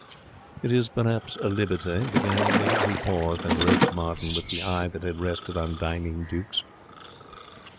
'It is perhaps a liberty,' began Keggs. He paused, and raked Martin with the eye that had rested on dining dukes.